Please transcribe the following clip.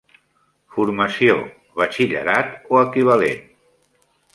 Formació: batxillerat o equivalent.